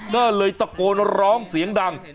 ก็เลยตะโกนร้องเสียงดัง